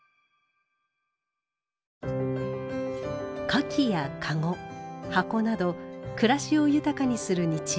花器やカゴ箱など暮らしを豊かにする日用品。